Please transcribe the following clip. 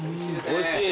おいしい。